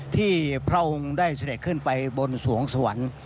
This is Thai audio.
พระองค์ได้เสด็จขึ้นไปบนสวงสวรรค์